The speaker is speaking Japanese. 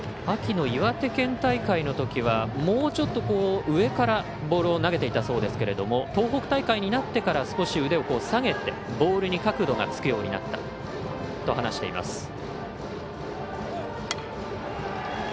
秋の岩手県大会のときはもうちょっと上からボールを投げていたそうですけど東北大会になってから腕を下げてボールに角度がつくようになったと話しています。